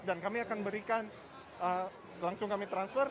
dan kami akan berikan langsung kami transfer